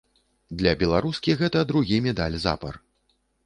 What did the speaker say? Для беларускі гэта другі медаль запар.